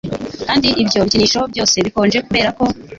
Kandi ibyo bikinisho byose bikonje Kuberako